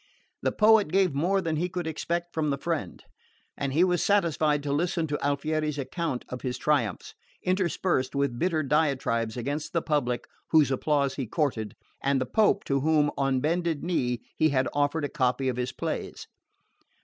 The poet gave more than he could expect from the friend; and he was satisfied to listen to Alfieri's account of his triumphs, interspersed with bitter diatribes against the public whose applause he courted, and the Pope to whom, on bended knee, he had offered a copy of his plays.